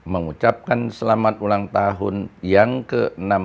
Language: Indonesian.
mengucapkan selamat ulang tahun yang ke enam